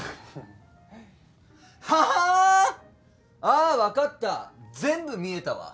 あっわかった全部見えたわ。